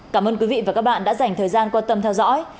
cảm ơn quý vị và các bạn đã dành thời gian quan tâm theo dõi